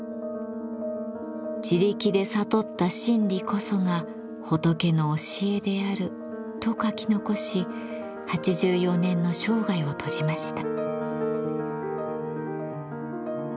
「自力で悟った真理こそが仏の教えである」と書き残し８４年の生涯を閉じました。